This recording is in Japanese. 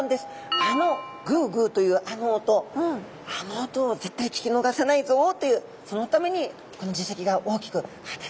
あのグゥグゥというあの音あの音を絶対聞き逃さないぞというそのためにこの耳石が大きく働いているんですね。